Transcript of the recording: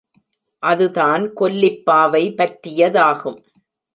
அதுதான் கொல்லிப் பாவை பற்றியதாகும்.